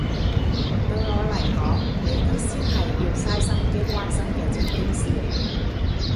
對我嚟講呢啲先係要嘥心機關心嘅正經事